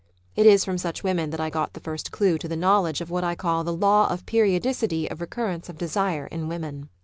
It is from such women that I got the first clue to the knowledge of what I call the Law of Periodicity of Recurrence of desire in women.